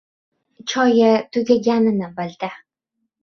Choyi tugaganini bildi.